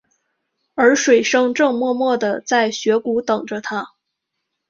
而水笙正默默地在雪谷等着他。